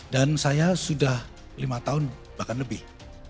dan saya sudah lima tahun bahkan lebih